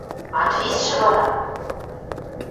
Анфисшӹ вара?